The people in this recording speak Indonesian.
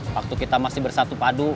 waktu kita masih bersatu padu